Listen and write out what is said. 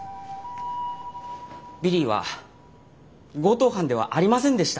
ビリーは強盗犯ではありませんでした。